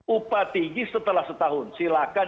upah tinggi setelah setahun silahkan